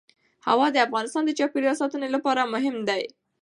هوا د افغانستان د چاپیریال ساتنې لپاره مهم دي.